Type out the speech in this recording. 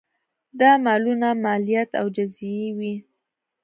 دا مالونه مالیات او جزیې وې